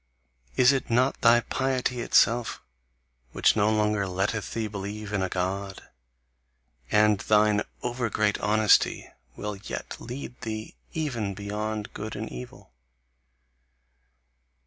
Is it not thy piety itself which no longer letteth thee believe in a God? And thine over great honesty will yet lead thee even beyond good and evil!